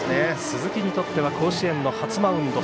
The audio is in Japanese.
鈴木にとっては甲子園の初マウンド。